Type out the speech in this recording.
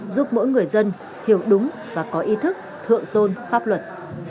giúp mỗi người dân hiểu đúng và có ý thức thượng tôn pháp luật